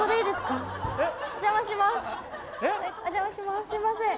すみません。